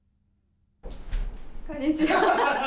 こんにちは。